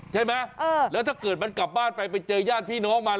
ใช่ไหมแล้วถ้าเกิดมันกลับบ้านไปไปเจอญาติพี่น้องมัน